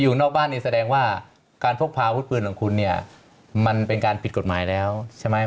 อยู่นอกบ้านนี่แสดงว่าการพกพาอาวุธปืนของคุณเนี่ยมันเป็นการผิดกฎหมายแล้วใช่ไหม